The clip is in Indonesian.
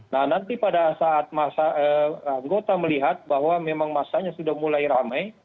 nah nanti pada saat anggota melihat bahwa memang masanya sudah mulai ramai